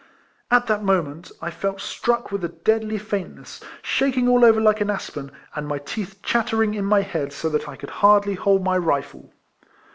At that moment I felt struck with a deadly faintness, shaking all over like an aspen, and my teeth chattering in my head so that I could hardly hold my rifle.